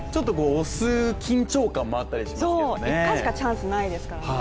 押す緊張感もあったりしますけどね。